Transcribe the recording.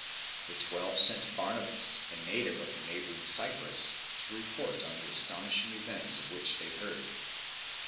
The Twelve sent Barnabas, a native of the neighbouring Cyprus, to report on the astonishing events of which they heard.